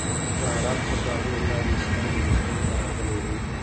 د عرب سوداګرو له لارې اسلام هندوستان ته راغلی و.